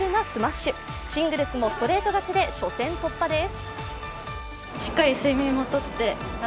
シングルスもストレート勝ちで初戦突破です。